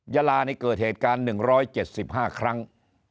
ยาลานี่เกิดเหตุการณ์๑๗๕ครั้ง